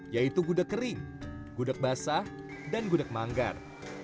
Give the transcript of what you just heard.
yaitu gudeg kering gudeg basah dan gudeg manggar